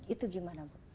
itu gimana bu